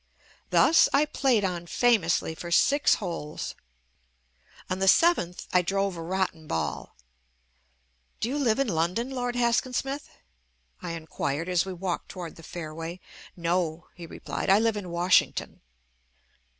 Thus 1 played on famously for six holes. On the seventh I drove a rotten ball. "Do you live in London, Lord Haskin Smith?" I inquired as we walked toward the fairway. "No," he replied, "I live in Washington."